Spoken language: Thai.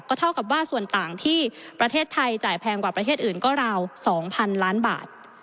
เท่ากับว่าส่วนต่างที่ประเทศไทยจ่ายแพงกว่าประเทศอื่นก็ราว๒๐๐๐ล้านบาท